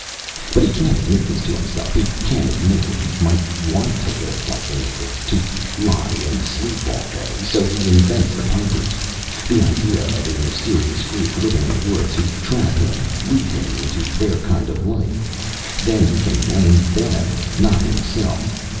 "But he can't admit this to himself! He can't admit that he might want to live like the natives, to lie and sleep all day. So he invents The Pipers, the idea of a mysterious group living in the woods who trap him, lead him into their kind of life. Then he can blame them, not himself.